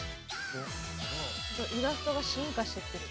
イラストが進化してってる。